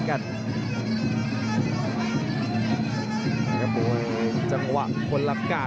ขวางชิดจังหวังขวา